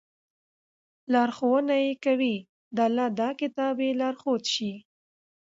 لارښوونه ئې كوي، د الله دا كتاب ئې لارښود شي